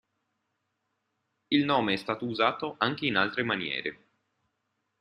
Il nome è stato usato anche in altre maniere.